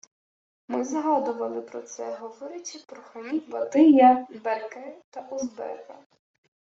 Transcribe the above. Ми згадували про це, говорячи про ханів Батия, Берке та Узбека